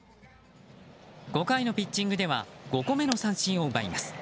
５回のピッチングでは５個目の三振を奪います。